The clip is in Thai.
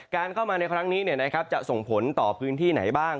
เข้ามาในครั้งนี้จะส่งผลต่อพื้นที่ไหนบ้าง